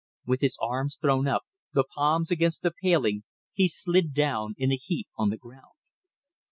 With his arms thrown up, the palms against the paling, he slid down in a heap on the ground.